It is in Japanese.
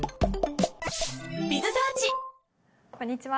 こんにちは。